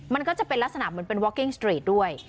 มันก็จะเป็นลักษณะเหมือนเกงสติรีตด้วย